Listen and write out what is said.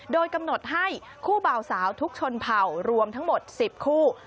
โดยกำหนดให้คู่บ่าวสาวทุกชนเผ่ารวมทั้งหมด๑๐คู่